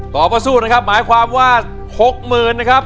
ต่อมาสู้นะครับหมายความว่า๖๐๐๐นะครับ